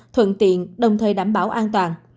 thuận tiện đồng thời đảm bảo an toàn